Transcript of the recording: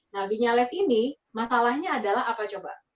nah vinyales ini masalahnya adalah apa coba